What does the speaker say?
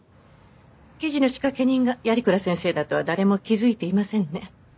記事の仕掛け人が鑓鞍先生だとは誰も気づいていませんね。